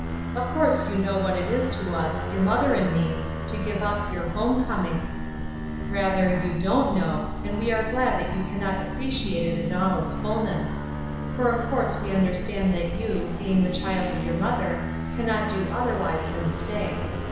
Of course you know what it is to us, your mother and me, to give up your home coming — rather, you don't know, and we are glad that you cannot appre 242 ESTER RIED'S NAMESAKE ciate it in all its fulness — for of course we understand that you, being the child of your mother, cannot do otherwise than stay.